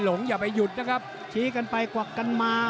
หรือว่าผู้สุดท้ายมีสิงคลอยวิทยาหมูสะพานใหม่